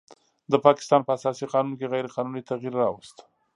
د پاکستان په اساسي قانون کې غیر قانوني تغیر راوست